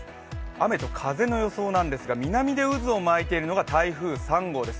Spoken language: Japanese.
雨と風の予想なんですが、南で渦を巻いているのが台風３号です。